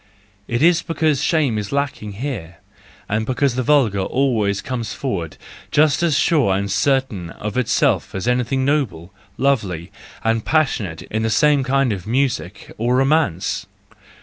Is it because shame is lacking here, and because the vulgar always comes forward just as sure and certain of itself as anything noble, lovely, and passionate in the same kind of music or romance